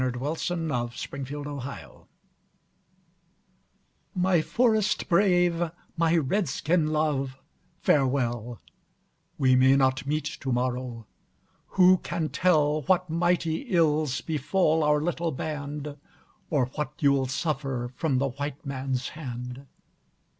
A CRY FROM AN INDIAN WIFE My forest brave, my Red skin love, farewell; We may not meet to morrow; who can tell What mighty ills befall our little band, Or what you'll suffer from the white man's hand?